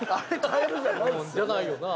じゃないよな。